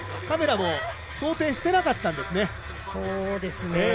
カメラも想定していなかったんですね。